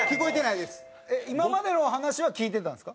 今までの話は聞いてたんですか？